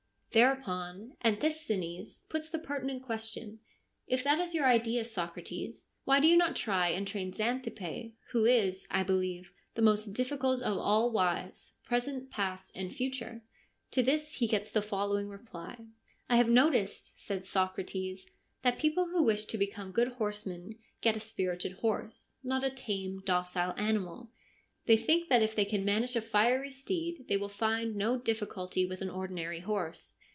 Thereupon Anthisthenes puts the pertinent ques tion :' If that is your idea, Socrates, why do you not try and train Xanthippe, who is, I believe, the most difficult of all wives, present, past, and future ?' To this he gets the following reply :' I have noticed,' says Socrates, ' that people who wish to become good horsemen get a spirited horse, not a tame, docile animal. They think that if they can manage a fiery steed they will find no difficulty with an ordinary horse.